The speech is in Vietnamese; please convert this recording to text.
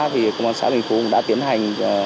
thì công an xã bình phú đã tiến hành